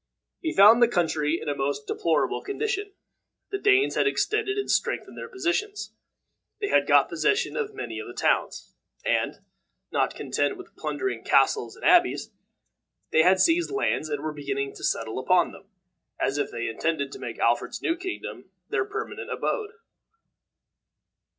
He found the country in a most deplorable condition. The Danes had extended and strengthened their positions. They had got possession of many of the towns, and, not content with plundering castles and abbeys, they had seized lands, and were beginning to settle upon them, as if they intended to make Alfred's new kingdom their permanent abode.